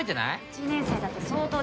１年生だって相当ですよ